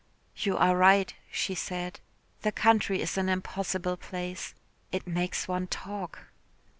"You are right," she said, "the country is an impossible place. It makes one talk."